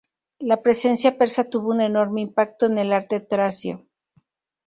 La presencia persa tuvo un enorme impacto en el arte tracio.